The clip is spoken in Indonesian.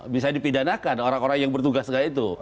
bisa dipidanakan orang orang yang bertugas segala itu